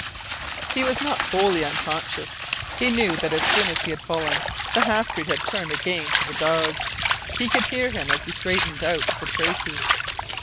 He was not wholly unconscious. He knew that as soon as he had fallen the half breed had turned again to the dogs. He could hear him as he straightened out the traces.